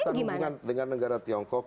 kita hubungan dengan negara tiongkok